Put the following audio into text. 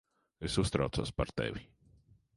Es uztraucos par tevi.